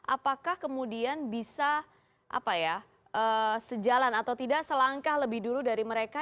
apakah kemudian bisa sejalan atau tidak selangkah lebih dulu dari mereka